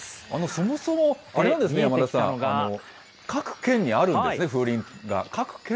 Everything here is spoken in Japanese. そもそも山田さん、各県にあるんですね、風鈴が。